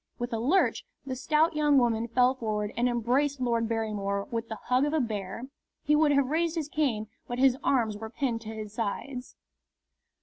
With a lurch the stout young woman fell forward and embraced Lord Barrymore with the hug of a bear. He would have raised his cane, but his arms were pinned to his sides.